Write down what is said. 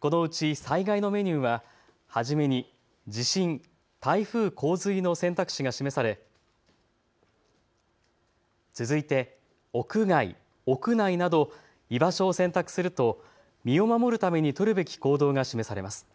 このうち災害のメニューは初めに地震、台風・洪水の選択肢が示され続いて屋外、屋内など居場所を選択すると身を守るために取るべき行動が示されます。